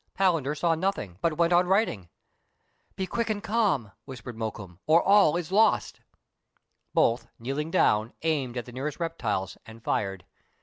Palan der saw nothing, but went on writing. " Be quick and calm," whispered Mokoum, " or all is lost." Both, kneeling down, aimed at the nearest reptiles, and fired.